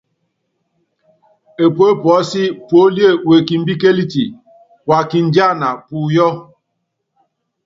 Epuépuɔ́sí, Púólíé wekimbíkéliti, wa kindíana púyɔ́.